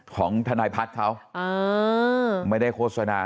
ของทนายพัฒน์เขาไม่ได้โฆษณา